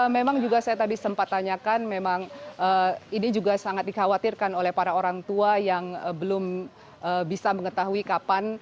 memang juga saya tadi sempat tanyakan memang ini juga sangat dikhawatirkan oleh para orang tua yang belum bisa mengetahui kapan